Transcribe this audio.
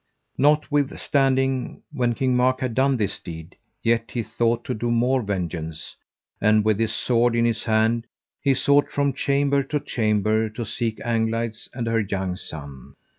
Notwithstanding, when King Mark had done this deed, yet he thought to do more vengeance; and with his sword in his hand, he sought from chamber to chamber, to seek Anglides and her young son.